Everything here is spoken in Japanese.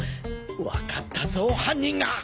分かったぞ犯人が！